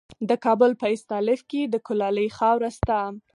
د کابل په استالف کې د کلالي خاوره شته.